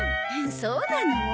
そうなの？